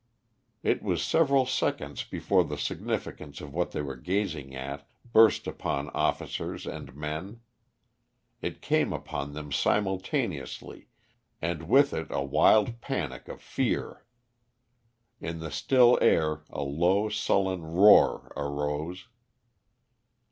It was several seconds before the significance of what they were gazing at burst upon officers and men. It came upon them simultaneously, and with it a wild panic of fear. In the still air a low sullen roar arose.